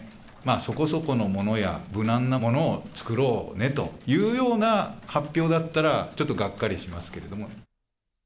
そこそこのものや無難なものをつくろうねというような発表だったら、ちょっとがっかりしますけれども。